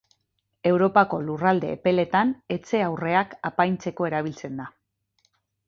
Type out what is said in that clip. Europako lurralde epeletan, etxe-aurreak apaintzeko erabiltzen da.